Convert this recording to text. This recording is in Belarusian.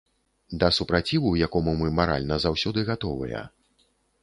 Да супраціву якому мы маральна заўсёды гатовыя.